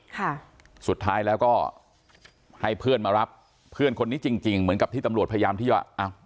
ค่ะสุดท้ายแล้วก็ให้เพื่อนมารับเพื่อนคนนี้จริงจริงเหมือนกับที่ตำรวจพยายามที่ว่าอ้าว